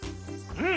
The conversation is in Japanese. うん。